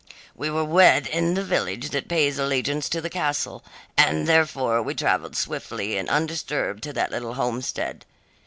"We were wed in the village that pays allegiance to the castle, and thereafter we travelled swiftly and undisturbed to that little homestead.